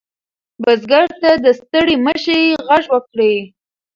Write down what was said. بزګر ته د ستړي مشي غږ وکړئ.